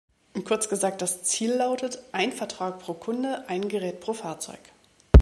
Kurz gesagt, das Ziel lautet "ein Vertrag pro Kunde – ein Gerät pro Fahrzeug".